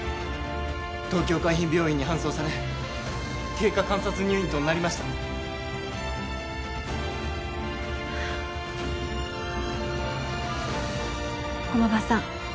東京海浜病院に搬送され経過観察入院となりました駒場さん